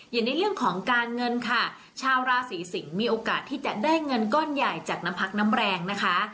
อย่างในเรื่องของการเงินค่ะชาวราศีสิงศ์มีโอกาสที่จะได้เงินก้อนใหญ่จากน้ำพักน้ำแรงนะคะ